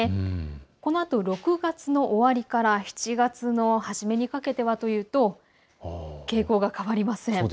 このあと６月の終わりから７月の初めにかけてはというと傾向が変わりません。